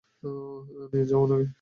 নিয়ে যাও ওনাকে।